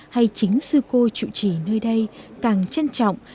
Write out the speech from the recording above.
hay chính sư cô trụ trì nơi đây càng trân trọng